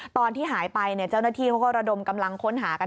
ตอนที่หายไปเจ้าหน้าที่เขาก็ระดมกำลังค้นหากัน